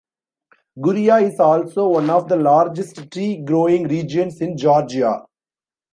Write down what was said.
Guria is also one of the largest tea growing regions in Georgia.